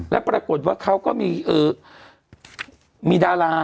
แล้วปรากฏว่าเขาก็มีดารา